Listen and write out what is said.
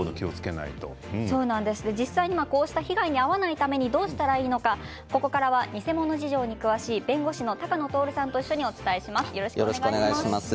実際にこうした被害に遭わないためにどうしたらいいのか、ここからは偽物事情に詳しい弁護士の鷹野亨さんと一緒にお伝えします。